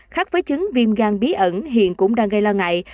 khác với chứng viêm gan bí ẩn hiện cũng đang gây lo ngại